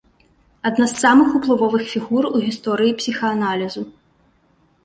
Адна з самых уплывовых фігур у гісторыі псіхааналізу.